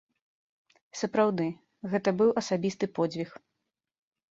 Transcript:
Сапраўды, гэта быў асабісты подзвіг.